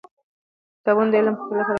کتابونه د علم د پراختیا لپاره محکوم بولی.